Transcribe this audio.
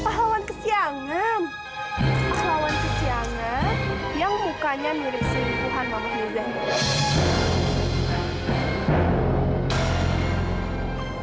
pahlawan kesiangan yang mukanya mirip seribuan wangahnya zaira